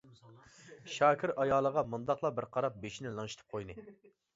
شاكىر ئايالىغا مۇنداقلا بىر قاراپ بېشىنى لىڭشىتىپ قويدى.